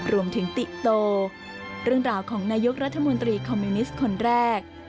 ติโตเรื่องราวของนายกรัฐมนตรีคอมมิวนิสต์คนแรก